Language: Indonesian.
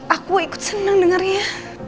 aku ikut seneng dengarnya